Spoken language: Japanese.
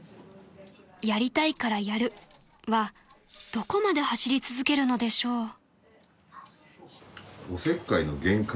［「やりたいからやる」はどこまで走り続けるのでしょう？］